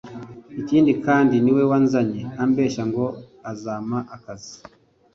ikindi kandi niwe wanzanye ambeshya ngo azama akazi